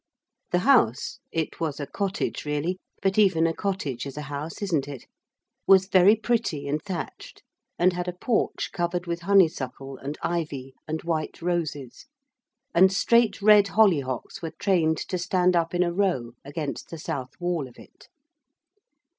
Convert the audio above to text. The house it was a cottage really, but even a cottage is a house, isn't it? was very pretty and thatched and had a porch covered with honeysuckle and ivy and white roses, and straight red hollyhocks were trained to stand up in a row against the south wall of it.